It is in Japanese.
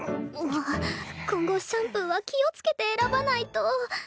今後シャンプーは気をつけて選ばないと